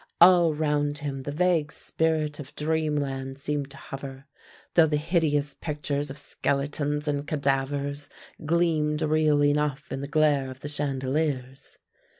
All round him the vague spirit of dreamland seemed to hover, though the hideous pictures of skeletons and cadavers gleamed real enough in the glare of the chandeliers.